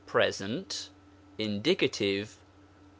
INDICATIVE.